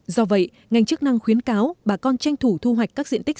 do vậy ngành chức năng khuyến cáo bà con tranh thủ thu hoạch các diện tích